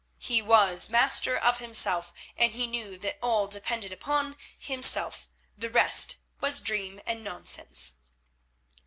He was master of himself, and he knew that all depended upon himself, the rest was dream and nonsense.